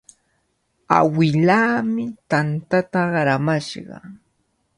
Awilaami tantata qaramashqa.